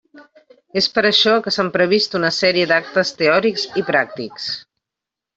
És per això que s'han previst una sèrie d'actes teòrics i pràctics.